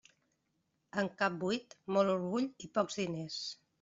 En cap buit, molt orgull i pocs diners.